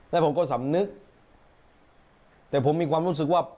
แล้วผมก็สำนึกแต่ผมมีความรู้สึกว่า